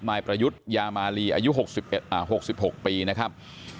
นายประยุทธ์ยามาลีอายุ๖๖ปีนะครับ